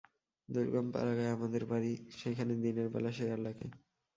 দুর্গম পাড়াগাঁয়ে আমাদের বাড়ি, সেখানে দিনের বেলা শেয়াল ডাকে।